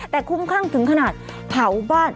แต่คุ้มข้างถึงขนาดเผาบ้าน